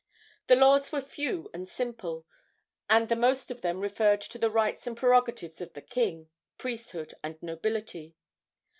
The laws were few and simple, and the most of them referred to the rights and prerogatives of the king, priesthood and nobility.